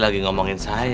pergi kementerian mesir